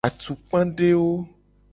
Atukpadewo.